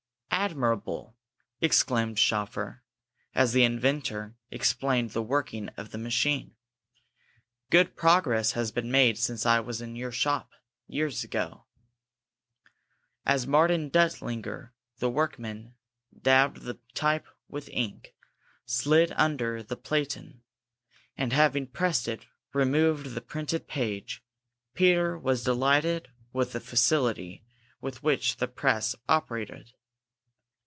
"Admirable!" exclaimed Schoeffer, as the inventor explained the working of the machine. "Good progress has been made since I was in your shop, years ago." As Martin Duttlinger, the workman, dabbed the type with ink, slid under the platen, and, having pressed it, removed the printed page, Peter was delighted with the facility with which the press operated.